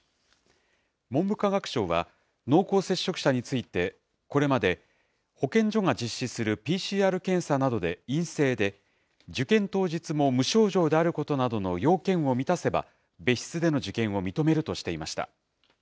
文部科学省は、濃厚接触者について、これまで保健所が実施するＰＣＲ検査などで陰性で、受験当日も無症状であることなどの要件を満たせば、別室での受験を認めるとしていました。